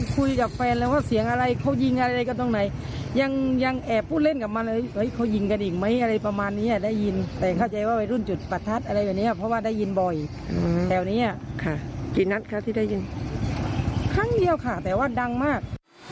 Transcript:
คลั้งเดียวค่ะแต่ว่าดังมาก